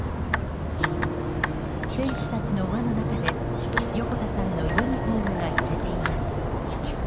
選手たちの輪の中で横田さんのユニホームが揺れています。